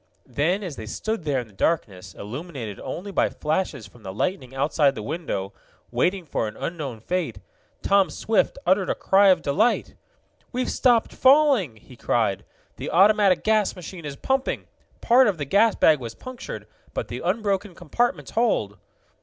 Then, as they stood there in the darkness, illuminated only by flashes from the lightning outside the window, waiting for an unknown fate, Tom Swift uttered a cry of delight. "We've stopped falling!" he cried. "The automatic gas machine is pumping. Part of the gas bag was punctured, but the unbroken compartments hold!"